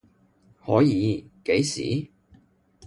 可以，幾時？